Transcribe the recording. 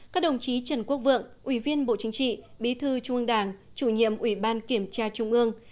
các đồng chí trần quốc vượng ủy viên bộ chính trị bí thư trung ương đảng chủ nhiệm ủy ban kiểm tra trung ương